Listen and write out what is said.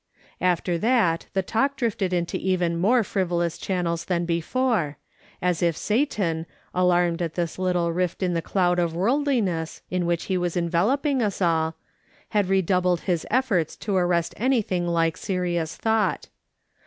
After that the talk drifted into even more frivolous channels than before, as if Satan, alarmed at this little rift in the cloud of worldliness in which he was enveloping us all, had redoubled his efforts to arrest anything like serious thought.